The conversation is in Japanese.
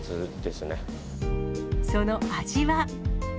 その味は。